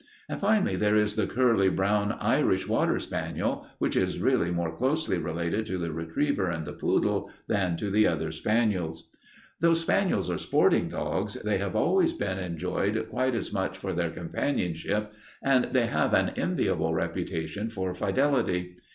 Finally there is the curly, brown Irish water spaniel, which is really more closely related to the retriever and the poodle than to the other spaniels. "Though spaniels are sporting dogs, they have always been enjoyed quite as much for their companionship, and they have an enviable reputation for fidelity.